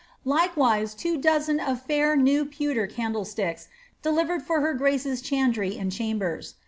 Likewise (wo dozen of fair new DFWter candlesticks, delivered for her grace's chantlry and chambera.